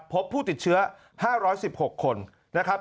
พบผู้ติดเชื้อ๕๑๖คนนะครับ